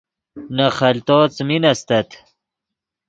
نے خلتو څیمین استت